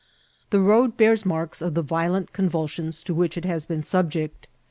The road bears marks of the violent ocmvulsions to which it has been subject.